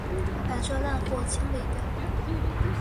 把这烂货清理掉！